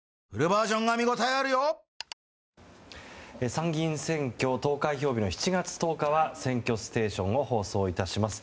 参議院選挙投開票日の７月１０日は「選挙ステーション」を放送致します。